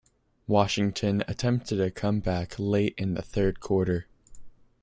Washington attempted a comeback late in the third quarter.